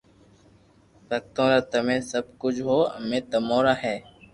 ڀگتو را تمي سب ڪجھ ھون امي تمو را ھي